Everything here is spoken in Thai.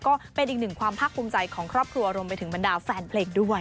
ก็เป็นอีกหนึ่งความภาคภูมิใจของครอบครัวรวมไปถึงบรรดาแฟนเพลงด้วย